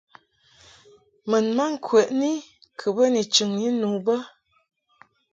Mun ma ŋkwəni kɨ bə ni chɨŋni nu bə.